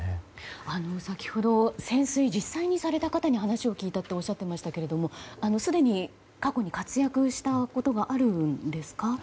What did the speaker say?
先ほど潜水を実際にされた方に話を聞いたっておっしゃっていましたけれどもすでに過去に活躍したことがあるんですか？